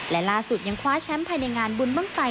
และล่าสุดยังคว้าแชมป์ภายในงานบุญบ้างไฟ